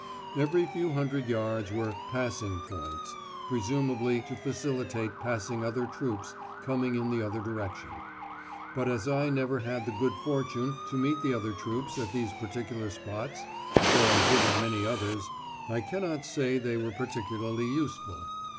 Every few hundred yards were "passing points," presumably to facilitate passing other troops coming in the other direction; but as I never had the good fortune to meet the other troops at these particular spots, though I did in many others, I cannot say they were particularly useful.